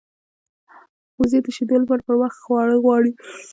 وزې د شیدو لپاره پر وخت خواړه غواړي